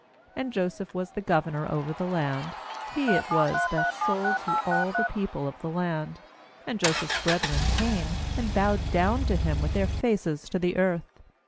6And Joseph was the governor over the land; he it was that sold to all the people of the land. And Joseph's brethren came, and bowed down to him with their faces to the earth.